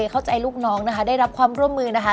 เข้าใจลูกน้องนะคะได้รับความร่วมมือนะคะ